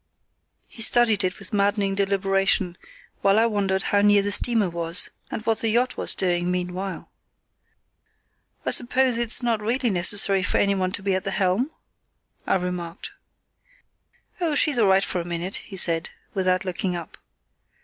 He studied it with maddening deliberation, while I wondered how near the steamer was, and what the yacht was doing meanwhile. "I suppose it's not really necessary for anyone to be at the helm?" I remarked. "Oh, she's all right for a minute," he said, without looking up.